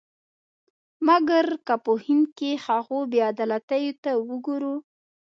مګر که په هند کې هغو بې عدالتیو ته وګورو.